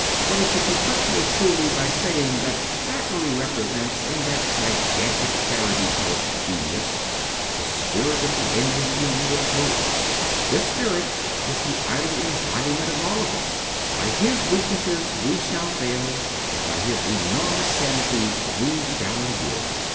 But it could be put more truly by saying that Thackeray repre sents, in that gigantic parody called genius, the spirit of the Englishman in repose. This spirit is the idle embodiment of all of us ; by his weak nesses we shall fail and by his enormous sanities we shall endure.